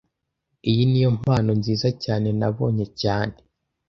Iyi niyo mpano nziza cyane nabonye cyane